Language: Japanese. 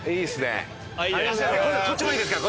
こっちもいいですか？